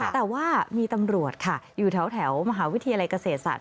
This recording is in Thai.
แต่ว่ามีตำรวจค่ะอยู่แถวมหาวิทยาลัยเกษตรศาสต